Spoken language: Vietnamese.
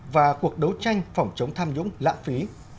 và cuộc đấu tranh phòng chống tham nhũng lãng phí